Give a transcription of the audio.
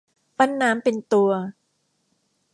ปั้นน้ำเป็นตัว